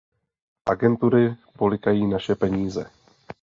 Agentury polykají naše peníze.